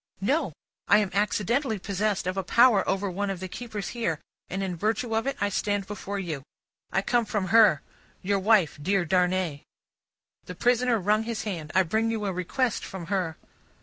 "No. I am accidentally possessed of a power over one of the keepers here, and in virtue of it I stand before you. I come from her your wife, dear Darnay." The prisoner wrung his hand. "I bring you a request from her."